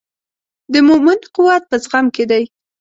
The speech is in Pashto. د مؤمن قوت په زغم کې دی.